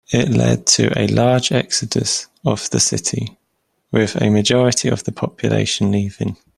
It led to a large exodus of the city, with a majority of the population leaving.